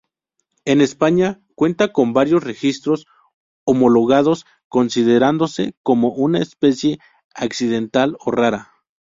En España cuenta con varios registros homologados, considerándose como una especie accidental o rara.